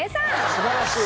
素晴らしい。